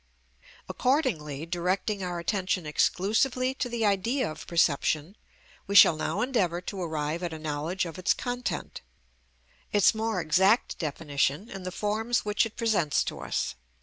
Accordingly, directing our attention exclusively to the idea of perception, we shall now endeavour to arrive at a knowledge of its content, its more exact definition, and the forms which it presents to us.